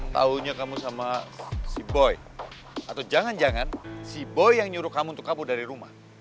taunya kamu sama si boy atau jangan jangan si boy yang nyuruh kamu untuk kamu dari rumah